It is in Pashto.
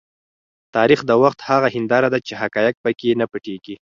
تاریخ د وخت هغه هنداره ده چې حقایق په کې نه پټیږي.